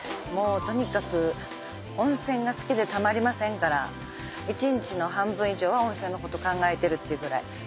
もうとにかく温泉が好きでたまりませんから一日の半分以上は温泉のこと考えてるっていうぐらい。